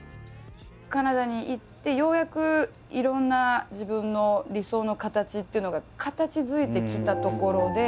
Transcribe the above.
カナダに行ってようやくいろんな自分の理想の形っていうのが形づいてきたところで。